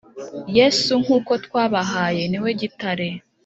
Yesu nk uko twabahaye niwe gitare